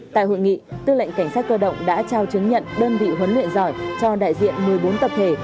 tại hội nghị tư lệnh cảnh sát cơ động đã trao chứng nhận đơn vị huấn luyện giỏi cho đại diện một mươi bốn tập thể